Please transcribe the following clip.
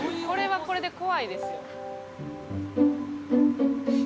これはこれで怖いですよ。